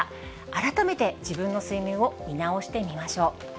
改めて自分の睡眠を見直してみましょう。